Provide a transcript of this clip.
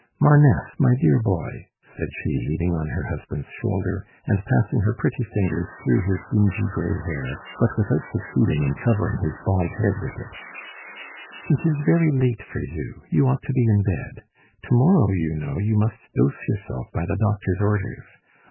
"Marneffe, my dear boy," said she, leaning on her husband's shoulder, and passing her pretty fingers through his dingy gray hair, but without succeeding in covering his bald head with it, "it is very late for you; you ought to be in bed. To morrow, you know, you must dose yourself by the doctor's orders.